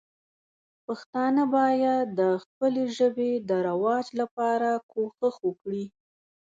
پښتانه باید د خپلې ژبې د رواج لپاره کوښښ وکړي.